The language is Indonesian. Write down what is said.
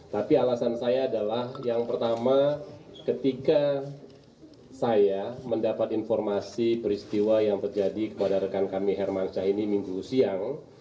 tapi alasan saya adalah yang pertama ketika saya mendapat informasi peristiwa yang terjadi kepada rekan kami hermansyah ini minggu siang